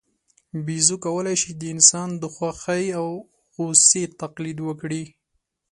بیزو کولای شي د انسان د خوښۍ او غوسې تقلید وکړي.